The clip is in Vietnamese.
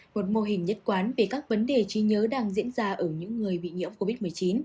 một mô hình nhất quán về các vấn đề trí nhớ đang diễn ra ở những người bị nhiễm covid một mươi chín